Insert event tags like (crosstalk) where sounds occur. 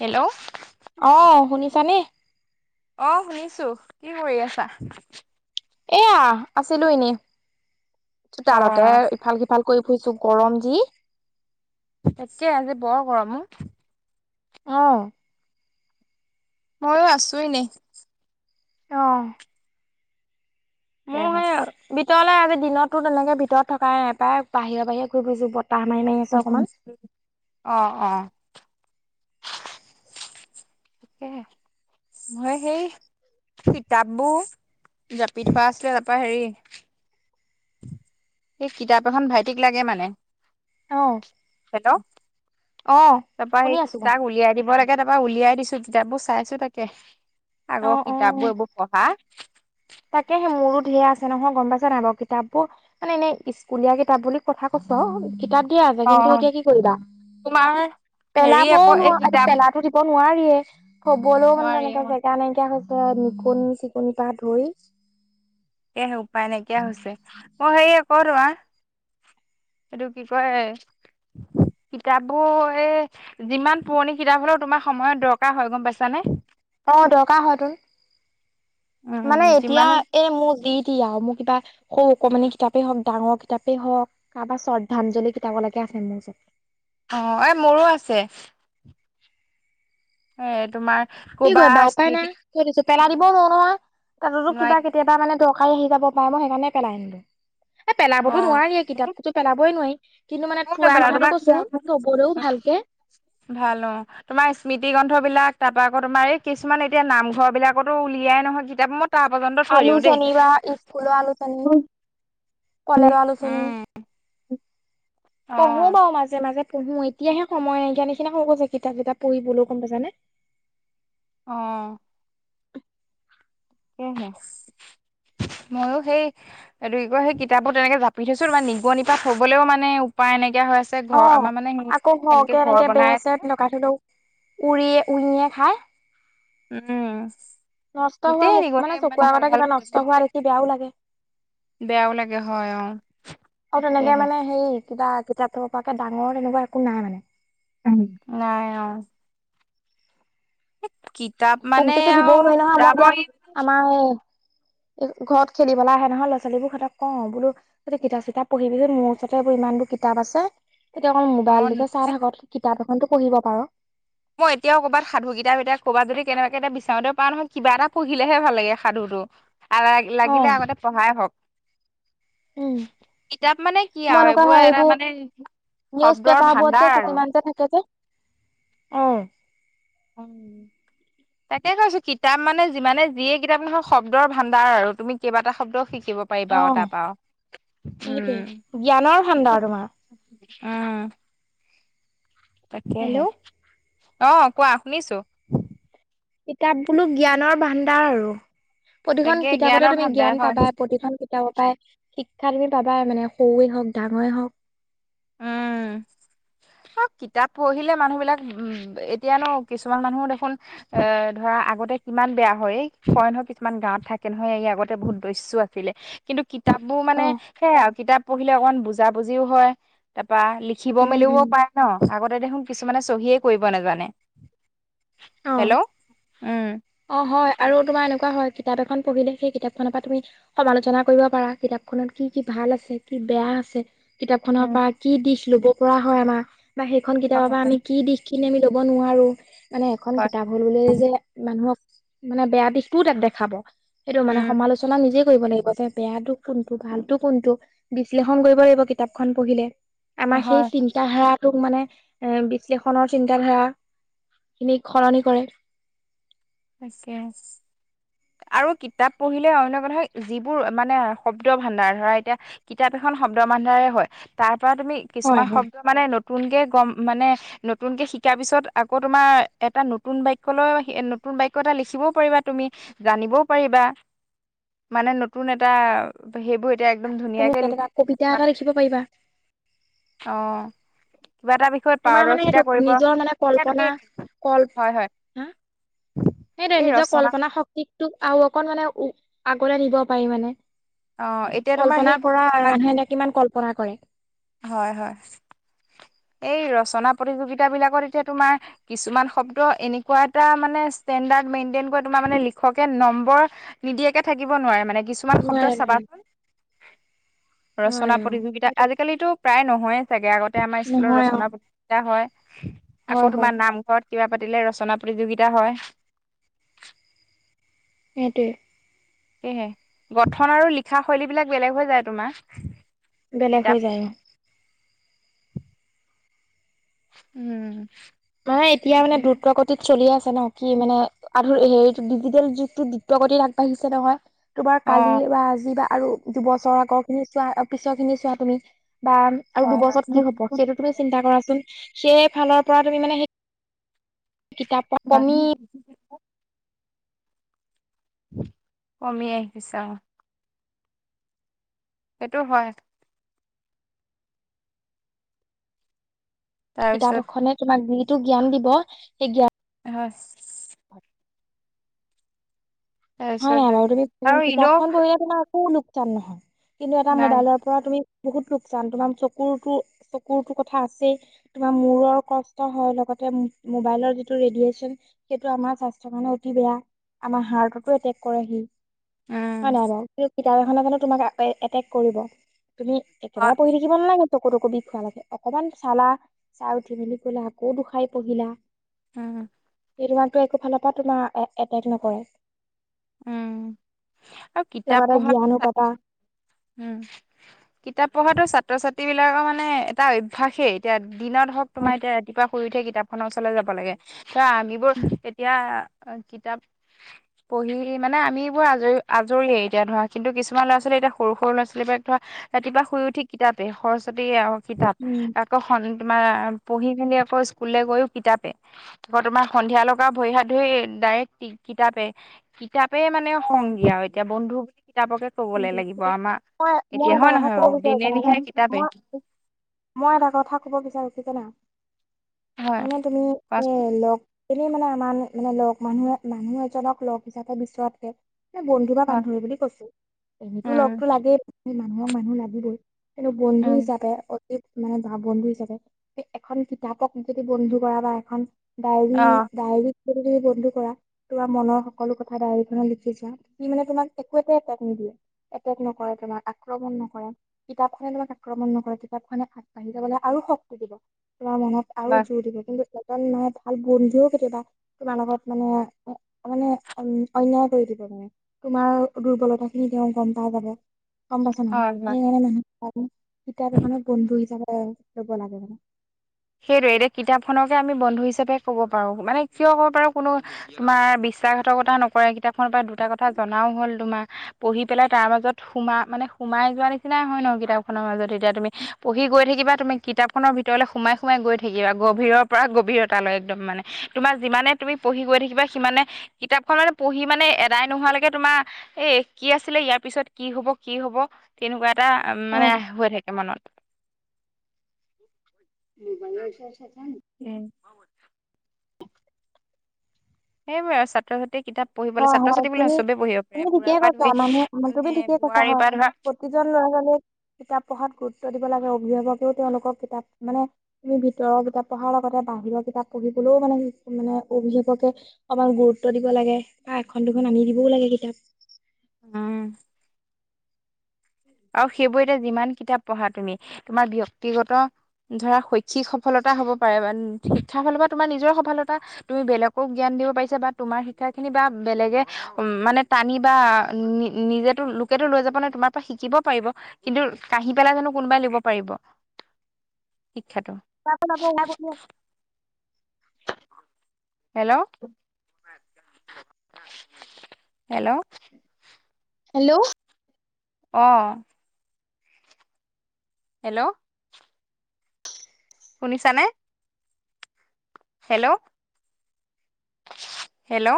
Hello অ, শুনিছানে অ, শুনিছো কি কৰি আছা? এয়া, আছিলো এনে অ চোতালতে ইফাল সিফাল কৰি (unintelligible) গৰম যি তাকে আজি বৰ গৰম অ,, ময়ো আছো ইনে অ, মোৰ সেই ভিতৰলে আজি দিনতো তেনেকে ভিতৰত থকাই নাই পায় বাহিৰে বাহিৰে ঘূৰি ফুৰিছো বতাহ মাৰি মাৰি আছে অকণমান অ অ তাকে মই সেই কিতাপবোৰ জাপি থোৱা আছিলে তাৰাপৰা হেৰি সেই কিতাপ এখন ভাইটিক লাগে মানে অ', হেল্ল', অ'। তাৰপা সেই শুনি আছো মই। ইচ্ছাক উলিয়াই দিব লাগে তাৰপৰা উলিয়াই দিছো যেতিাবোৰ চাইছো তাকে অ', আগৰ অ' কিতাপবোৰ এইবোৰ পঢ়া। ধেয়া আছে নহয় গম পাইছা নাই বাৰু কিতাপ বোৰ মানে এনেই স্কুলীয়া কিতাপ বুলি কথা কৈছ কিতাপ দিয়া আছে অ কিন্তু এতিয়া কি কৰিবা তোমাৰ হেৰি পেলাবও আকৌ এই নোৱাৰা কিতাপ পেলাো দিব নোৱাৰি। (unintelligible) হবলৈও মানে নোৱাৰি তেনেকে অ জ এতি হৈছে নিিকন চিকনি পা ধই এ উপায় নাইকিয় হৈছে মই সেয়া কৰো আ এইটো কি কয়। (inaudible) কিতাপবোৰ এই যিমান পুৰণি কিতাপ হ'লেও তোমাৰ সময়ত দৰকাৰ হয় গম পাইছানে? অ', দৰকাৰ হয় তোৰ উম মানে এতিয়া যিমানে এ মোৰ দিট আৰু মোক কিবা সৰু অকমানি কিতাপেই হওক ডাঙৰ কিতাপেই হওক কাৰবা শ্ৰদ্ধাঞ্জলি কিতাপ লকে আছে মোৰ ওচতে অ', এই মোৰো আছে। এ তোমাৰ কি কবা কৰিব বা উপায় স্মৃতি নাই কৈ দিছো পেলাই দিবও নোৱাৰো নয় তাতোতো কিবা নোৱাৰি কেতিয়াবা মানে দৰকাৰ কালি আহি যাব পাৰে মই সেইকাৰণে পেলাই আনিলো এ অ পেলাবতো নোৱাৰি কিতাপ কতো পেলাবই নোৱাৰি। কিন্তু মানে ক ন থোৱা বাৰ আৰুি কথাটো কৈছো থবলৈও ভালকে ভাল অ' তোমাৰ স্মৃতি গ্ৰন্থ বিলাক তাৰপা আকৌ তোমাৰ এই কিছুমান এতিয়া নামঘৰ বিলাকতো উলিয়াই নহয় কিতাপ মত আলু চনি বা ই্কুল আলু চনি কলৰ আলোচনী উম অ পঢ়ো বাৰু মাজে মাজে। পঢ়ো এতিয়াহে সময় এ্ঞা নিচিনা সৰু গৈছে কিতাপ যেিতাপ পঢ়িবলৈও গম পাইছানে। আহ', কহে, ময়ো সেই এই কয় সেই কিতাপবোৰ তেনেকে জাপি থৈছো ত নিগ নিপা থবলেও মানে উপায় এনেকে নাইকিয়া হৈ আছে ঘৰ অ', আমাৰ মানে আকৌ ঘৰকে ঘৰ এনেকে বনাই বেছে ডকা ধত উৰিয়ে উৰি হায় উম', নষ্ট হোৱা গোটেই মোক নিগনি মানে ইমান চকুৰ ভাল আগতে ভাল কিবা নষ্ট হোৱা কিতাপবোৰ দেখি বেয়াও লাগে। বেয়াও লাগে হয় অ আৰু তেনেকে সেয়েহে মানে হেৰি কিবা কিতাপ। ত পৰাাকে ডাঙৰ তেনেকুৱা একো নাই মানে। নাই অ', কিতাপ মানে কমটোছে আৰু জিবও নোৱাৰি নহয় মই দিয়া কিতাপৰ আমাৰ এ ঘৰত খেলিবলৈ আহে নহয় ল'ৰা ছোৱীোৰ সহঁতেত কওঁ বোলো য কিতা চিতাপ পঢ়িবিচোন মোৰ ওচৰতে ব ইমান কিতাপ আছে তেতিয়া অকল অ মোবাইলকে চাই থাকক কিতাপ এখনতো পঢ়িব পাৰ। মই এতিয়াও কৰবাত সাধু কিতাপ এটায়া ক'ৰবাত যদি কেনেবাকে এতি বিচাৰওঁতে পা নহয়, কিবা এটা পঢ়িলেহে ভাল লাগে সাধুটো আৰু অ', লাগিলে আগতে পঢ়াই হওক উম', কিতাপ মানে কি মই আৰু এনেকুৱা হয় এইবোৰ এটা মানে নিউজ শব্দৰ পেপাৰ বত যে ভাণ্ডাৰ আৰু কিছুমান যে থাকে যে অ' (inaudible) উম তাকে কৈছো কিতাপ মানে যিমানে যিয়ে কিতাপ নহয় শব্দৰ ভাণ্ডাৰ আৰু তুমি কেইবাটাব্দ শিক (unintelligible) কিব পাৰিবা আৰু অ'। তাৰপা সেইটোৱে উম' জ্ঞানৰ ভাণ্ডাৰ তোমাৰ উম', তাকেহে হেল্ল' অ কোৱা শুনিছো। কিতাপ বুলো জ্ঞানৰ ভাণ্ডাৰ আৰু প্ৰতিখন তাকে কিতাপতে জ্ঞানৰ তুমি ভাণ্ডাৰ জ্ঞান হয় পাবা, প্ৰতিখন শিক্ষা তুমি পাবা মানে, সৰুৱে হওক ডাঙৰে হওক। উম (inaudible) কিতাপ পঢ়িলে মানুহ বিলাক উ এতিয়া ন কিছুমান মানুহো দেখোন এ ধৰা আগতে ইমান বেয়া হয়। কয় নহক কিছুমান গাঁৱত থাকে নহয় এই আগতে বহুত দৈস্য আছিলে। কিন্তু কিতাপবোৰ মানে অ সেয়াই আৰু কিতাপ পঢ়িলে অকমান বুজা বুজিও হয়। বা লিখিব উম মেলিবও উম পাৰে ন। আগতে দেখোন কিছুমানে চহিয়ে কৰিব নাজানে। অ হেল্ল। ' উম। অ হয় আৰু তোমাৰ এনেকুৱা হয়। কিতাপ এখন পঢ়িলে সেই কিতাপ খনৰ পৰা তুমি সমালোচনা কৰিব পাৰা কিতাপখননত কি কি ভাল আছে কি বেয়া আছে। কিতাপ খনৰ পৰা কি দিশ লব পৰা হয় আমাৰ বা সেইখন হয় কিতাপৰ পৰা আমি কি দিশ কিনি আমি ল'ব নোৱাৰো। মানে এখন হয় কিতাপ হ'ল বুলিয়ে যে মানুহক মানে বেয়া দিশতটোও তাক দেখাব, সেইটো মানে সমালোচনা নিজে লাগিব। যে বেয়াতটো কোনটো, ভালতো কোনটো, বিশ্লেষণ কৰিব লাগিব কিতাপখন পঢ়িলে। আমাৰ হয় সেই হয় চিন্ত ধাৰাটোক মানে এ বিশ্লেষণৰ চিন্ত ধাৰা খিনিক সলনি কৰে। তাকে। আৰু কিতাপ পঢ়িলে অন্য কথা যিবোৰ মানে শব্দ ভাণ্ডাৰ ধৰা এতিয়া কিতাপ এখন শব্দ বান্ধাৰে হয়। তাৰ পৰা তুমি হয় কিছুমান হয় শব্দ মানে নতুনকে গম, মানে নতুনকে শিকাৰ পিছত আকৌ তোমাৰ এটা নতুন বাক্য লয় নতুন বাক্য এটা লিখিবও পাৰিবা তুমি, জানিবও পাৰিবা। মানে নতুন এটা, সেইবোৰ এতিয়া একদম তুমি ধুনীয়াকে লিখি। কেনেকা কবিতা এটা লিখিব পাৰিবা অহ'। তোমাৰ মানে সেইটো নিজৰ মানে এতিয়া তুমি কল্পনা, হয় হয় কল-হা? সেইটোৱে এই নিজৰ ৰচনা কল্পনা শক্তিটোক আৰু অকণ মানে আগলে নিব পাৰি মানে। অ এতিয়া তোমাৰ সেই কল্পনা কৰা আৰু, মানে মানুহে এটাই কিমান কল্পনা কৰে। হয়, হয়। এই ৰচনা প্ৰতিযোগিতাবিলাকত এতিয়া তোমাৰ কিছুমান শব্দ এনেকুৱা এটা মানে ষ্টেণ্ডাৰ্ড মেইনটেইন কৰে, তোমাৰ মানে লিখকে নম্বৰ নিদিয়াকে থাকিব নোৱাৰে মানে। কিছুমান শব্দ নোৱাৰে নোৱাৰে চাবাচোন, ৰচনা নোৱাৰে অ প্ৰতিযোগিতা সেইটো আজি প্ৰায় নহয়ে চাগে, আগতে আমাৰ স্কুলত নহয় অ ৰচনা প্ৰতিযোগীতা হয়। হয় আকৌ হয় তোমাৰ নামঘৰত কিবা পাতিলে ৰচনা প্ৰতিযোগিতা হয়। সেইটোৱে। সেয়েহে, গঠন আৰু লিখা শৈলীবিলাক বেলেগ হৈ যায় তোমাৰ। বেলেগ হৈ কিতাপ যায়। অ'। উম। তই এতিয়া মানে দ্ৰুতগতিত চলি আছ নহয় কি মানে, আধ--হেৰি ডিজিটেল যুগতো দ্ৰুতগতিত আগবাঢ়িছে নহয়। তোমাৰ অ কালি বা আজি বা আৰু দুবছৰৰ আগৰখিনি চোৱা আৰু পিছৰখিনি চোৱা তুমি। বা আৰু হয় দুবছৰত কি হ'ব, সেইটো তুমি চিন্তা কৰাচোন, সেই ফালৰ পৰা তুমি মানে সেই কিতাপ-পত্ৰ হয় (unintelligible) কমি আহিছে। অ'। সেইটো হয়। কিতাপ তাৰপিছত এখনে তোমাক যিটো জ্ঞান দিব, সেই জ্ঞান (unintelligible) হয়, তাৰপিছত হয় বাৰু। তুমি আৰু এনেও কিতাপখন পঢ়িলে তোমাৰ একো লোকচান নহয়। কিন্তু এটা নাই মোবাইলৰ পৰা তুমি বহুত লোকচান, তোমাৰ চকুৰতো-চকুৰতো কথা আছেই, তোমাৰ মূৰৰ কষ্ট হয় লগত ম-মোবাইলৰ যিটো ৰেডিএছ'ন, আমাৰ স্বাস্থ্যৰ কাৰণে অতি বেয়া, আমাৰ হাৰ্ট কৰেহি। উম হয় নাই বাৰু, কিন্তু কিতাপ এখন জানো তোমাক এটেক কৰিব। তুমি হয় একেৰাহে পঢ়ি থাকিব নালাগে। (unintelligible) লাগে, অকনমান চালা, চাই উঠি বেলেগ বেলেগ আকৌ বিষয় পঢ়িলা। উম। (unintelligible) একোফালৰ পৰা তোমাৰ এটেক নকৰে। উম, আৰু কিতাপ লগতে পঢ়াটো জ্ঞানো ছাত্ৰ পাবা উম, কিতাপ পঢ়াতো ছাত্ৰ-ছাত্ৰীবিলাকৰ মানে এটা অভ্যাসেই। এতিয়া দিনত হওক, তোমাৰ হয় এতিয়া ৰাতিপুৱা শুই উঠে কেতি কিতাপখনৰ ওচৰলৈ যাব লাগে। চোৱা, আমিবোৰ এতিয়া কিতাপ পঢ়ি কি মানে আমিবোৰ আজৰি, আজৰি হ'লো এতিয়া। ধৰা, কিন্তু কিছুমান ল'ৰা-ছোৱালী এতিয়া, সৰু সৰু ল'ৰা-ছোৱালীবিলাক ধৰা, ৰাতিপুৱা শুই উঠি কিতাপে, সৰস্বতী আৰু কিতাপ উম আকৌ সন তোমাৰ পঢ়ি-মেলি আকৌ স্কুললে গৈয়ো কিতাপেই। আকৌ তোমাৰ সন্ধিয়ালৈকে ভৰি-হাত ধুই ডাইৰেক্ট কিতাপে। কিতাপে মানে অ', সংগী আৰু এতিয়া বন্ধু বুলি কিতাপকে কবলে লাগিব (unintelligible) আমাৰ মই, মই এতিয়া এটা হয় কথা নহয় ক'ব বাৰু বিচাৰোঁ, দিনে জানানে নিশাই কিতাপে মই এটা কথা ক'ব বিচাৰিছোঁ কি জানা, হয় মানে তুমি এ কোৱাচোন লগ এনেই মানে আমাৰ মানে লগ, মানুহে মানুহ এজনক লগ হিচাপে বিচৰাতকে মই বন্ধু বা হয় বান্ধৱী বুলি কৈছো, এনেইতো লগতো উম লাগেই, মানুহক মানুহ লাগিবই। এ বন্ধু উম হিচাপে মানে বন্ধু হিচাপে, এখন কিতাপক যদি বন্ধু কৰা বা এখন ডায়েৰী, অ ডায়ৰীক যদি তুমি বন্ধু কৰা, তোমাৰ মনৰ সকলো কথা ডায়েৰীখনত লিখি যোৱা, সি মানে তোমাক একো এটা নিদিয়ে, এটেক নকৰে তোমাক, আক্ৰমণ নকৰে, কিতাপখনে তোমাক আক্ৰমণ নকৰে। কিতাপখনে আগবাঢ়ি যাবলে আৰু শক্তি দিব। তোমাৰ মনত আৰু হয় জোৰ দিব। কিন্তু এজন মানে ভাল বন্ধুও কেতিয়াবা তোমাৰ লগত মানে মানে অন্যায় কৰি দিব। তোমাৰ দুৰ্বলতা ক খিনি তেওঁ গম পাই যাব গম পাইছে নহয় হয় হয় সেইকাৰণে মানুহ কিতাপ এখনত বন্ধু হিচাপে ল'ব লাগে মানে সেইটোয়ে এতিয়া কিতাপখনকে আমি বন্ধু হিচাপে ক'ব পাৰো মানে কিয় ক'ব পাৰো কোনো তোমাৰ বিশ্বাসঘাতকতা নকৰে কিতাপখনৰ পৰা দুটা কথা জনাও হ'ল তোমাৰ পঢ়ি পেলাই তাৰ মাজত সোমা মানে সোমাই যোৱা নিচিনাই হয় ন কিতাপ খনৰ মাজত এতিয়া তুমি পঢ়ি গৈ থাকিবা তুমি কিতাপখনৰ ভিতৰলৈ সোমাই সোমাই গৈ থাকিবা গভীৰৰ পৰা গভীৰতা লয় একদম মানে তোমাৰ যিমানে তুমি পঢ়ি গৈ থাকিবা সিমানে কিতাপ খ মানে পঢ়ি মানে এদাই নোহোৱালৈকে তোমাৰ এ কি আছিলে ইয়াৰ পিছত কি হব কি হব তেনেকুৱা এটা অ মানে হৈ থাকে মনত (unintelligible) উম, সেইবাৰ আৰু ছাত্ৰ ছাত্ৰী গোটেই কিতাপ পঢ়িবলৈ হয় ছাত্ৰ হয় ছাত্ৰী বুলি তুমি চবে পঢ়িব পাৰে তুমি বুঢ়া ঠিকেই পৰা কৈছা ধুই মানে বোৱাৰীৰ পৰা ধৰা (unintelligible) ল'ৰান ছোৱালীয়ে কিতাপ পঢ়াত গুৰু গুৰুত্ব দিব লাগে অভিভাৱকেও তেওঁলোকৰ কিতাপ মানে তুমি ভিতৰৰ কিতাপ পঢ়াৰ লগতে বাহিৰৰ কিতাপ পঢ়ি সলেও মানে মানে অভিভোৱকে অমাৰ গুৰুত্ব দিব লাগে বা এখন দুখন আনি দিবও লাগে কিতাপ উম, আৰু সেইবোৰ এতিয়া যিমান কিতাপ পঢ়া তুমি তোমাৰ ব্যক্তিগত ধৰা শৈক্ষিক সফলতা হ'ব পাৰে বা শিক্ষাৰ ফলৰ পৰা তোমাৰ নিজৰ সফলতা তুমি বেলেগক জ্ঞান দিব পাৰিছা বা তোমাৰ শিক্ষাখিনি বা বেলেগে উম মানে টানি বা নিজেতো লোকেতো লৈ যাব নে তোমাৰ পৰা শিকিব পাৰিব কিন্তু কাহি পেলাই জানো কোনোবাই লব পাৰিব শিক্ষাটো (unintelligible) হেল্ল' হেল্ল' হেল্ল' অ, হেল্ল'। শুনিছানে? হেল্ল'? হেল্ল'?